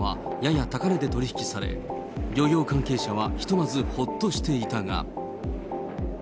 週末ということもあってか、魚はやや高値で取り引きされ、漁業関係者はひとまずほっとしていたが。